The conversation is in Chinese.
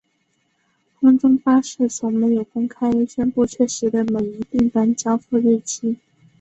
空中巴士从没有公开宣布确实的每一订单交付日期。